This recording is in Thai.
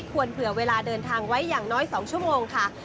ควรเผื่อเวลาเดินทางไว้อย่างน้อย๒ชั่วโมงค่ะ